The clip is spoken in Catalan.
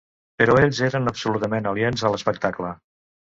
Però ells eren absolutament aliens a l’espectacle.